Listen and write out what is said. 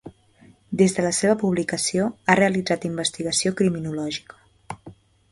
Des de la seva publicació, ha realitzat investigació criminològica.